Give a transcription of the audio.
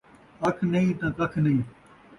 اکھ نئیں تاں ککھ نئیں